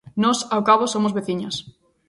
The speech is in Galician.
Nós, ao cabo, somos veciñas.